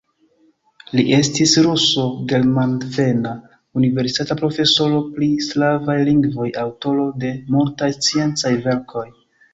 Li estis ruso germandevena, universitata profesoro pri slavaj lingvoj, aŭtoro de multaj sciencaj verkoj.